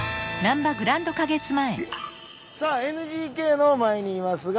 さあＮＧＫの前にいますが。